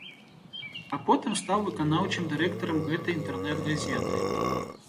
А потым стаў выканаўчым дырэктарам гэтай інтэрнэт-газеты.